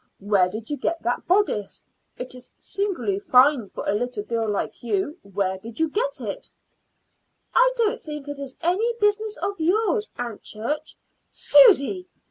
Where did you get that bodice? It is singularly fine for a little girl like you. Where did you get it?" "I don't think it is any business of yours, Aunt Church." "Susy!"